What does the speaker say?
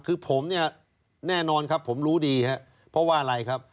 คือผมเนี่ยแน่นอนครับผมรู้ดีครับเพราะว่าอะไรครับ